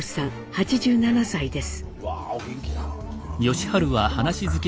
８７歳です。